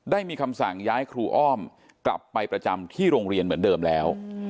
ได้มีคำสั่งย้ายครูอ้อมกลับไปประจำที่โรงเรียนเหมือนเดิมแล้ว